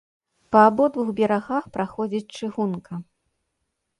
Па абодвух берагах праходзіць чыгунка.